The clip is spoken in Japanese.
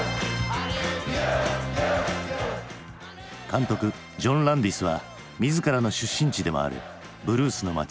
監督ジョン・ランディスは自らの出身地でもあるブルースの街